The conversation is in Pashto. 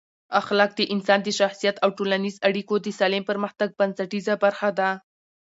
اخلاق د انسان د شخصیت او ټولنیزو اړیکو د سالم پرمختګ بنسټیزه برخه ده.